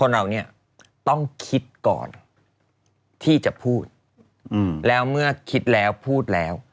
เราก็ถามกัด